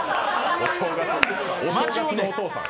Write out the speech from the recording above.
お正月のお父さん。